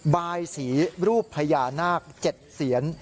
บายสีรูปพญานาค๗เสียน